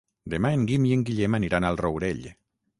Demà en Guim i en Guillem aniran al Rourell.